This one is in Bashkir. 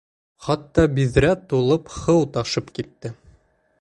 Хатта биҙрә тулып һыу ташып китте.